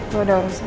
gue udah urusan